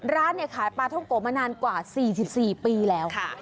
ร้านเนี่ยขายปลาท้องโกมานานกว่า๔๔ปีแล้ว